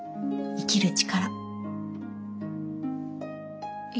生きる力。